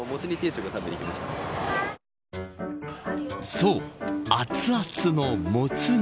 そう、熱々のもつ煮。